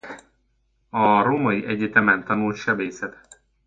A Római Egyetemen tanult sebészetet.